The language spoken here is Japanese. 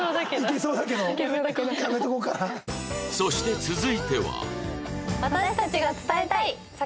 そして続いては